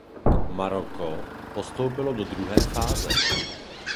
Maroko postoupilo do druhé fáze.